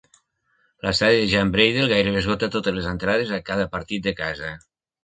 L'estadi Jan Breydel gairebé esgota totes les entrades a cada partit de casa.